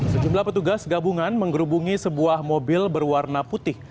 sejumlah petugas gabungan menggerubungi sebuah mobil berwarna putih